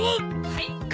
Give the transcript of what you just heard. はい！